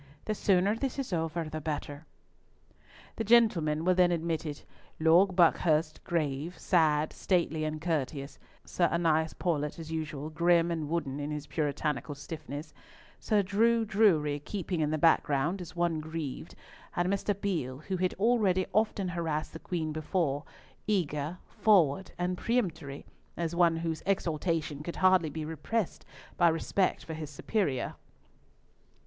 The sooner this is over, the better." The gentlemen were then admitted: Lord Buckhurst grave, sad, stately, and courteous; Sir Annas Paulett, as usual, grim and wooden in his puritanical stiffness; Sir Drew Drury keeping in the background as one grieved; and Mr. Beale, who had already often harassed the Queen before, eager, forward, and peremptory, as one whose exultation could hardly be repressed by respect for his superior, Lord Buckhurst.